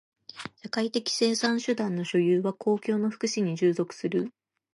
社会的生産手段の所有は公共の福祉に従属する。